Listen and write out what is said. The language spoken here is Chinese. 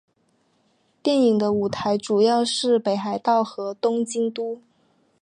电影的舞台主要是北海道和东京都。